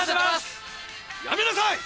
やめなさい！